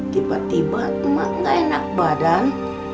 tiba tiba gak enak badan